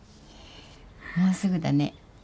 もうすぐだね。